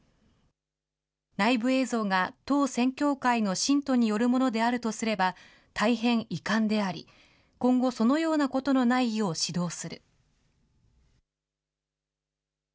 内部映像が当宣教会の信徒によるものであるとすれば、大変遺憾であり、今後、そのようなことのないよう指導する。